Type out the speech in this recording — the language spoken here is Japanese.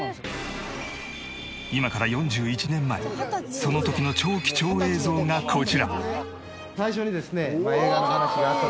今から４１年前その時の超貴重映像がこちら。